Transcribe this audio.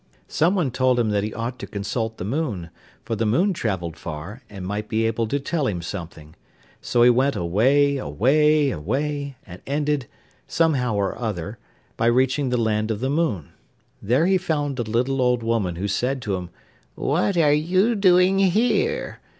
Someone told him that he ought to consult the moon, for the moon travelled far, and might be able to tell him something. So he went away, away, away, and ended, somehow or other, by reaching the land of the moon. There he found a little old woman who said to him 'What are you doing here?